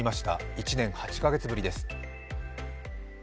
１年８か月ぶりです。